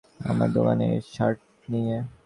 তোমাদের ভারত ভাইয়া এসেছিলো আমার দোকানে এই শার্ট নিয়ে!